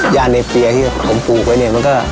ยาในเปียที่ผมปลูกไว้นี่